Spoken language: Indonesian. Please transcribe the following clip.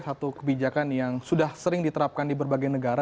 satu kebijakan yang sudah sering diterapkan di berbagai negara